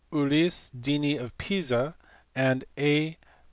461), Ulisse Dini of Pisa, and A.